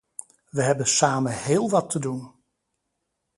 We hebben samen heel wat te doen.